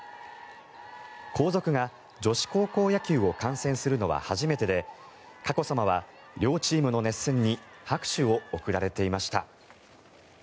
皇族が女子高校野球を観戦するのは初めてで佳子さまは両チームの熱戦に拍手を送られていました。